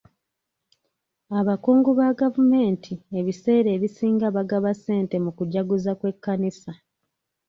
Abakungu ba gavumenti ebiseera ebisinga bagaba ssente mu kujaguza kw'ekkanisa.